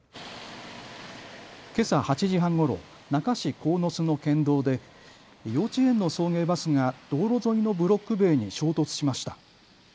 けさ８時半ごろ、那珂市鴻巣の県道で幼稚園の送迎バスが道路沿いのブロック塀に衝突しました。